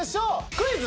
クイズ！